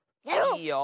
いいよ。